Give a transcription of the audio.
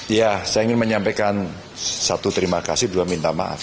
ya saya ingin menyampaikan satu terima kasih dua minta maaf